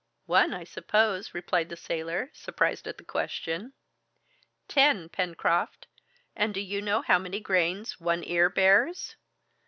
"One, I suppose!" replied the sailor, surprised at the question. "Ten, Pencroft! And do you know how many grains one ear bears?"